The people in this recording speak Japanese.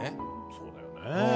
そうだよね。